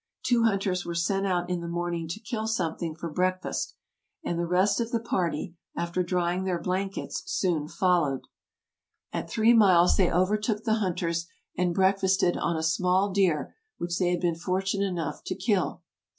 Two hunters were sent out in the morning to kill something for breakfast, and the rest of the party, after drying their blankets, soon followed. At r 162 TRAVELERS AND EXPLORERS three miles they overtook the hunters, and breakfasted on a small deer which they had been fortunate enough to kill.